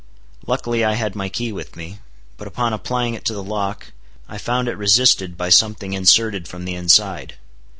Luckily I had my key with me; but upon applying it to the lock, I found it resisted by something inserted from the inside.